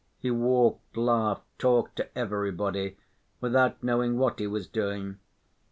He walked, laughed, talked to everybody, without knowing what he was doing.